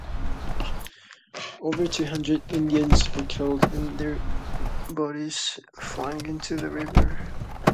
Over two hundred Indians were killed and their bodies flung into the river.